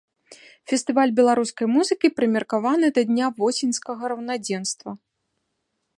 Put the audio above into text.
Фестываль беларускай музыкі прымеркаваны да дня восеньскага раўнадзенства.